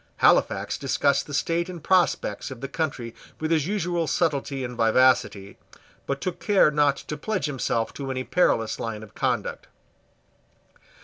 Halifax discussed the state and prospects of the country with his usual subtlety and vivacity, but took care not to pledge himself to any perilous line of conduct.